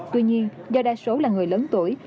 tuy nhiên do đa số là người lớn tuổi